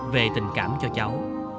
về tình cảm cho cháu